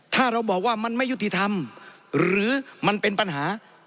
ถ้าเราบอกว่ามันไม่ยุติธรรมหรือมันเป็นปัญหา